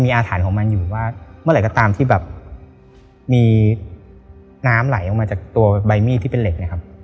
มีน้ำไหลออกมาจากตัวใบมีดที่เป็นเหล็ก